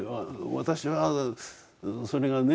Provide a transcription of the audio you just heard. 私はそれがね